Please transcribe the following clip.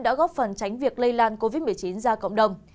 đã góp phần tránh việc lây lan covid một mươi chín ra cộng đồng